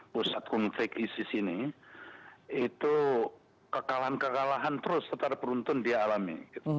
pusat konflik isis ini itu kekalahan kekalahan terus setelah beruntun dia alami